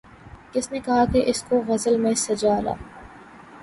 کس نے کہا کہ اس کو غزل میں سجا لا